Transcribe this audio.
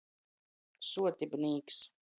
Suotibnīks.